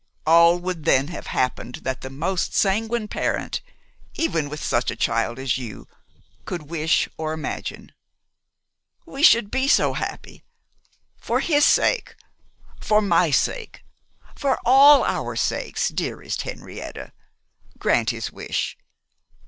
All would then have happened that the most sanguine parent, even with such a child as you, could wish or imagine. We should be so happy! For his sake, for my sake, for all our sakes, dearest Henrietta, grant his wish.